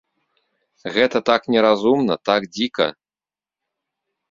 Гэта так неразумна, так дзіка.